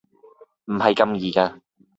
唔係咁易㗎